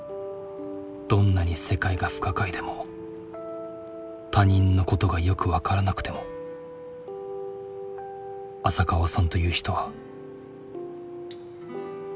どんなに世界が不可解でも他人のことがよくわからなくても浅川さんという人は。